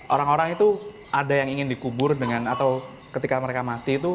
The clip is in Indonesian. orang orang itu ada yang ingin dikubur dengan atau ketika mereka mati itu